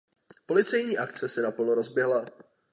Policejní akce se naplno rozběhla.